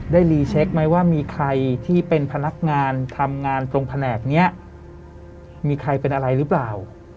รีเช็คไหมว่ามีใครที่เป็นพนักงานทำงานตรงแผนกนี้มีใครเป็นอะไรหรือเปล่า